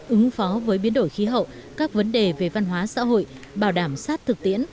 ứng phó với biến đổi khí hậu các vấn đề về văn hóa xã hội bảo đảm sát thực tiễn